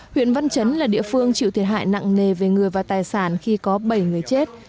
huyện văn chấn là địa phương chịu thiệt hại nặng nề về người và tài sản khi có bảy người chết